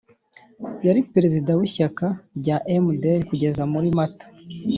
yari perezida w'ishyaka rya mdr kugeza muri mata